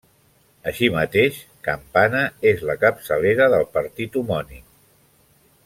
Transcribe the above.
Així mateix, Campana és la capçalera del partit homònim.